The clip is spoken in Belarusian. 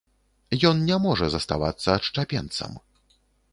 Ён не можа заставацца адшчапенцам.